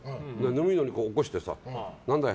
眠いのに起こしてさ何だい？